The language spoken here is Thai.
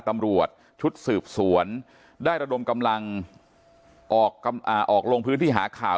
ตำรวจชุดสืบสวนได้ระดมกำลังออกลงพื้นที่หาข่าว